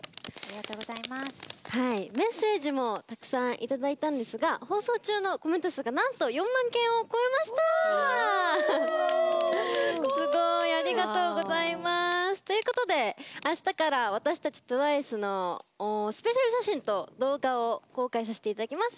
メッセージもたくさんいただいたんですが放送中のコメント数がなんと４万件を超えました！ということで、あしたから私たちＴＷＩＣＥのスペシャル写真と動画を公開させていただきます。